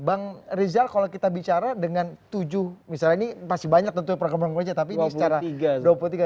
bang rizwan kalau kita bicara dengan tujuh misalnya ini masih banyak tentunya program program saja tapi ini secara